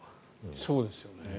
そうですよね。